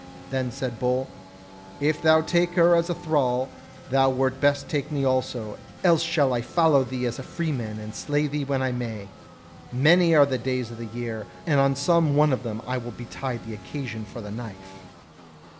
Then said Bull: 'If thou take her as a thrall, thou wert best take me also; else shall I follow thee as a free man and slay thee when I may. Many are the days of the year, and on some one of them will betide the occasion for the knife.'